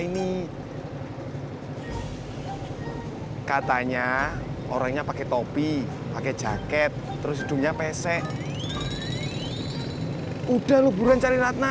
ini katanya orangnya pakai topi pakai jaket terus hidungnya pesek udah lu buruan cari ratna